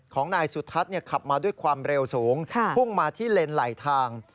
ของนายสุทัศน์ขับมาด้วยความเร็วสูงพุ่งมาที่เลนไหลทาง